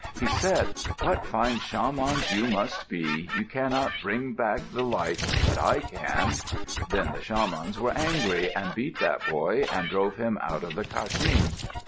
He said, "What fine shamans you must be. You cannot bring back the light, but I can." Then the shamans were angry and beat that boy and drove him out of the kashim.